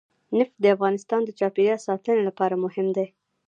نفت د افغانستان د چاپیریال ساتنې لپاره مهم دي.